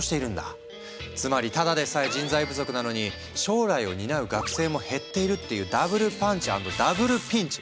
つまりただでさえ人材不足なのに将来を担う学生も減っているっていうダブルパンチ＆ダブルピンチ！